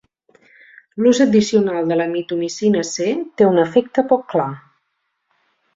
L'ús addicional de la mitomicina C té un efecte poc clar.